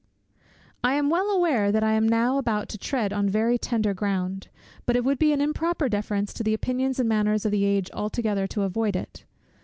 I am well aware that I am now about to tread on very tender ground; but it would be an improper deference to the opinions and manners of the age altogether to avoid it.